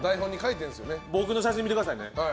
僕の写真見てくださいね。